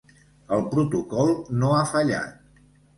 El protocol no ha fallat.